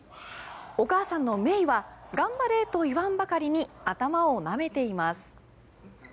お母さんのメイは頑張れと言わんばかりに頭をなめています。